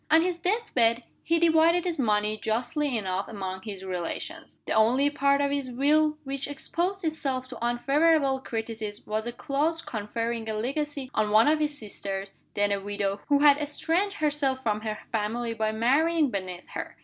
On his death bed, he divided his money justly enough among his relations. The only part of his Will which exposed itself to unfavorable criticism, was a clause conferring a legacy on one of his sisters (then a widow) who had estranged herself from her family by marrying beneath her.